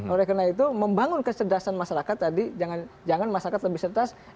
oleh karena itu membangun kecerdasan masyarakat tadi jangan masyarakat lebih cerdas